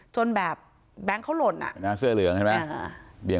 จนแบบแบงค์เขาหล่นอ่ะเสื้อเหลืองใช่ไหมอ่า